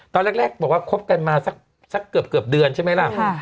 ตอนแรกบอกว่าคบกันมาสักเกือบเดือนใช่ไหมล่ะ